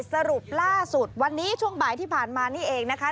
สรุปล่าสุดวันนี้ช่วงบ่ายที่ผ่านมานี่เองนะคะ